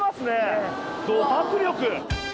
ド迫力！